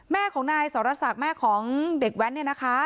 แม่ของนายสรษักแม่ของเด็กแว้นเนี่ยนะคะ